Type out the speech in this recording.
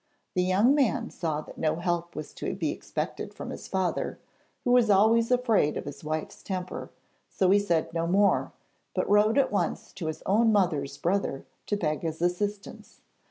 The young man saw that no help was to be expected from his father, who was always afraid of his wife's temper, so he said no more, but wrote at once to his own mother's brother to beg his assistance.